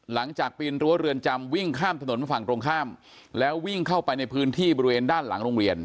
ปีนรั้วเรือนจำวิ่งข้ามถนนฝั่งตรงข้ามแล้ววิ่งเข้าไปในพื้นที่บริเวณด้านหลังโรงเรียน